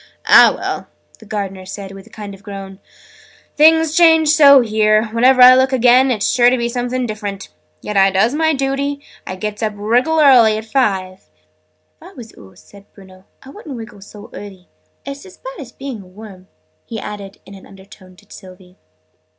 "Ah, well!" the Gardener said with a kind of groan. "Things change so, here. Whenever I look again, it's sure to be something different! Yet I does my duty! I gets up wriggle early at five " "If I was oo," said Bruno, "I wouldn't wriggle so early. It's as bad as being a worm!" he added, in an undertone to Sylvie.